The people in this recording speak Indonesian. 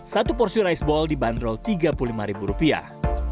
satu porsi rice ball dibanderol tiga puluh lima ribu rupiah